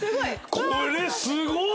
これすごい。